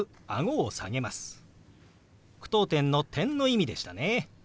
句読点の「、」の意味でしたね。